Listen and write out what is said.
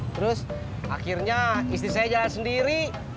terus akhirnya istri saya jalan sendiri